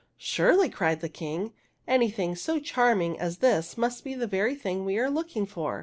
'' Surely," cried the King, '' anything so charming as this must be the very thing we are looking for!"